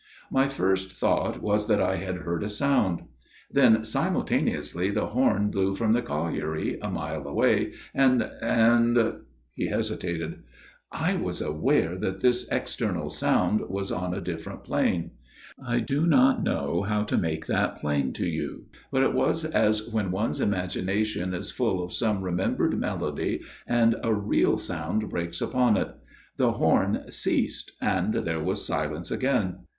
My first thought was that I had heard a sound. Then simultaneously the horn blew from the colliery a mile away, and and " he hesitated, " 1 was aware that this external sound was on a different plane. I do not know how to make that plain to you ; but it was as when one's imagination is full of some remembered melody and a real sound breaks upon it. The horn ceased and there was silence again.